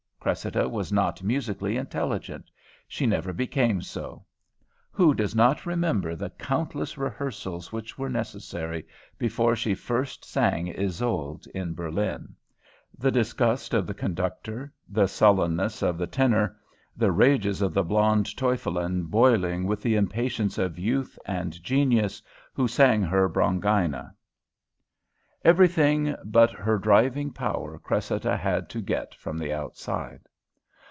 Cressida was not musically intelligent; she never became so. Who does not remember the countless rehearsals which were necessary before she first sang Isolde in Berlin; the disgust of the conductor, the sullenness of the tenor, the rages of the blonde teufelin, boiling with the impatience of youth and genius, who sang her Brangaena? Everything but her driving power Cressida had to get from the outside.